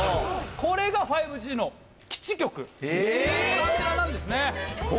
これが５Ｇの基地局アンテナなんですね。